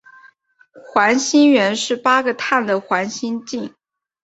环辛烷是八个碳的环烷烃。